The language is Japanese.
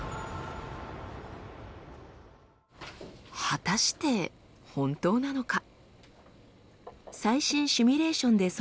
果たして本当なのか？